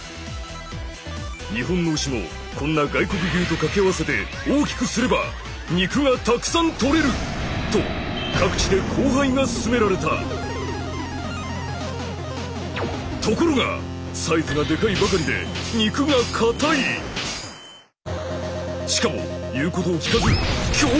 日本の牛もこんな外国牛と掛け合わせて大きくすれば肉がたくさんとれる！と各地で交配が進められたところがサイズがでかいばかりでしかも言うことを聞かず凶暴！